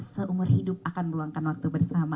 seumur hidup akan meluangkan waktu bersama